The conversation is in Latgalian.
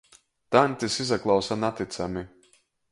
Tān tys izaklausa natycami.